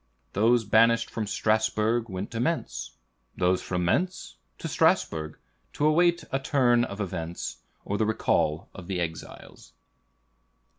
Those banished from Strasbourg, went to Mentz; those from Mentz, to Strasbourg, to await a turn of events, or the recall of the exiles."